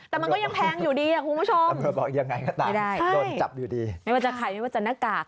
แต่มันก็ยังแพงอยู่ดีคุณผู้ชมไม่ได้ไม่ว่าจะขายไม่ว่าจะหน้ากาก